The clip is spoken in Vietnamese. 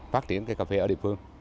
phát triển cái cà phê ở địa phương